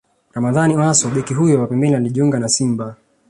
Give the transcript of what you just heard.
Ramadhani Wasso Beki huyo wa pembeni alijiunga na Simba